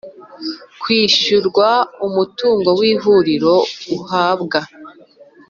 Kwishyurwa umutungo w ihuriro uhabwa